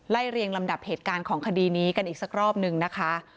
เรียงลำดับเหตุการณ์ของคดีนี้กันอีกสักรอบนึงนะคะ